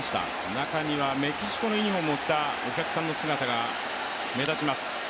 中にはメキシコのユニフォームを着たお客さんの姿が目立ちます。